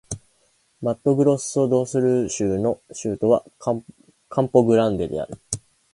マットグロッソ・ド・スル州の州都はカンポ・グランデである